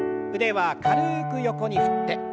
腕は軽く横に振って。